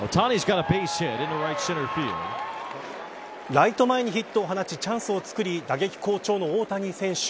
ライト前にヒットを放ちチャンスをつくり打撃好調の大谷選手。